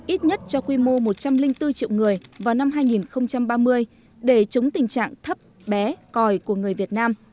ít nhất cho quy mô một trăm linh bốn triệu người vào năm hai nghìn ba mươi để chống tình trạng thấp bé còi của người việt nam